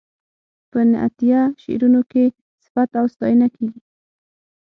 په نعتیه شعرونو کې صفت او ستاینه کیږي.